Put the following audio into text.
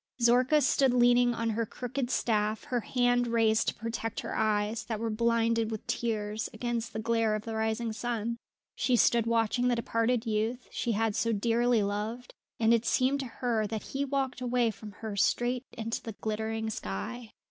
Zorka stood leaning on her crooked staff, her hand raised to protect her eyes, that were blinded with tears, against the glare of the rising sun. She stood watching the departing youth she had so dearly loved, and it seemed to her that he walked away from her straight into the glittering sky.